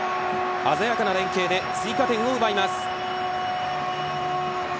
鮮やかな連係で追加点を奪います。